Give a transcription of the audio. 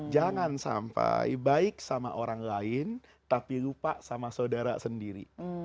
jangan sampai baik sama orang lain tapi lupa sama saudara sendiri